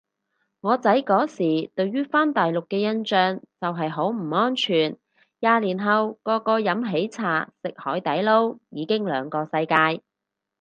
我仔嗰時對於返大陸嘅印象就係好唔安全，廿年後個個飲喜茶食海底撈已經兩個世界